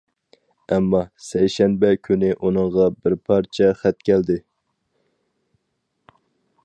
ئەمما، سەيشەنبە كۈنى ئۇنىڭغا بىر پارچە خەت كەلدى.